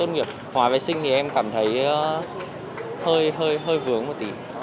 tốt nghiệp hóa vệ sinh thì em cảm thấy hơi vướng một tí